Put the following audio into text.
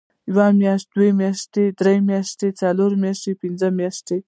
يويشت، دوه ويشت، درويشت، څلرويشت، پينځويشت